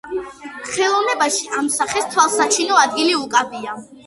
ხელოვნებაში ამ სახეს თვალსაჩინო ადგილი უკავია.